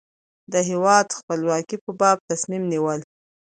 د هېواد خپلواکۍ په باب تصمیم نیول.